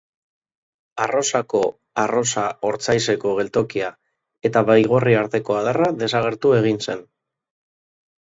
Arrosako Arrosa-Ortzaizeko geltokia eta Baigorri arteko adarra desagertu egin zen.